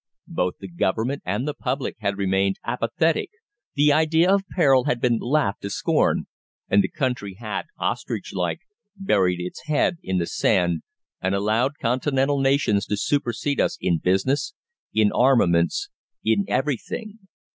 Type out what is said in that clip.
Both the Government and the public had remained apathetic, the idea of peril had been laughed to scorn, and the country had, ostrich like, buried its head in the sand, and allowed Continental nations to supersede us in business, in armaments, in everything.